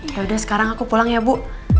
yaudah sekarang aku pulang ya bu